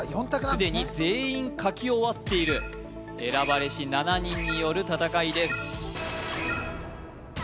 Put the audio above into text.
すでに全員書き終わっている選ばれし７人による戦いです